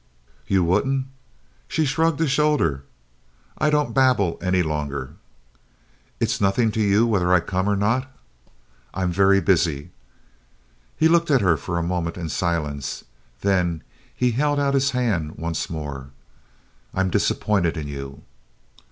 "You wouldn't?" She shrugged a shoulder. "I don't babble any longer." "It's nothing to you whether I come or not?" "I'm very busy." He looked at her for a moment in silence, then he held out his hand once more. "I am disappointed in you!"